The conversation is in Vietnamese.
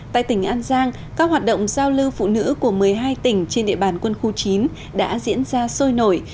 tại tỉnh an giang các hoạt động giao lưu phụ nữ của một mươi hai tỉnh trên địa bàn quân khu chín đã diễn ra sôi nổi